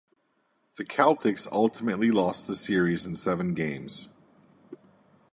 The Celtics ultimately lost the series in seven games.